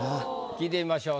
聞いてみましょう。